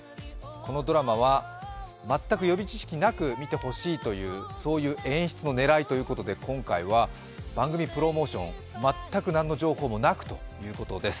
このドラマは全く予備知識なく見てほしいというそういう演出の狙いということで今回は番組プロモーション、全く何の情報もなくということです。